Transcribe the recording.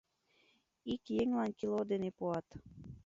Ик еҥлан кило дене пуат.